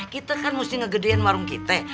kita kan mesti ngegedean warung kita